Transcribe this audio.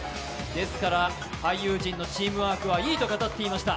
ですから俳優陣のチームワークはいいと語っていました。